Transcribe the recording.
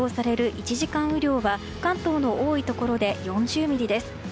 １時間雨量は関東の多いところで４０ミリです。